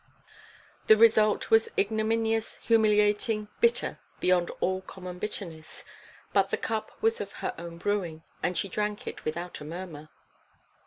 The result was ignominious, humiliating, bitter beyond all common bitterness; but the cup was of her own brewing, and she drank it without a murmur.